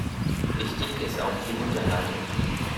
Wichtig ist auch die Unterlage.